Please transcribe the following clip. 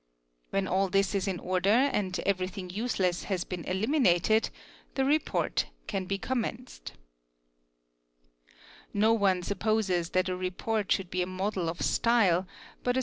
When all this is in order BN EAD AE DA DOD ORES AS AOR EA Sh NAN and everything useless has been eliminated, the report can be commenced. No one supposes that a report should be a model of style, but a certain